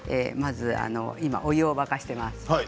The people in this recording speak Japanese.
今、お湯を沸かしています。